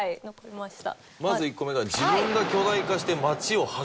まず１個目何？